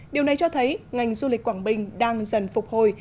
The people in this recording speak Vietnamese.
điều này cho thấy ngành du lịch quảng bình đang dần phục hồi